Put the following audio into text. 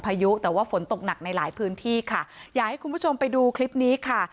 พายุแต่ว่าฝนตกหนักในหลายพื้นที่ค่ะอยากให้คุณผู้ชมไปดูคลิปนี้ค่ะ